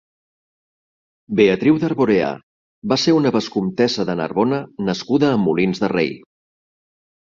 Beatriu d'Arborea va ser una vescomtessa de Narbona nascuda a Molins de Rei.